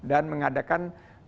dan mengadakan pengembangan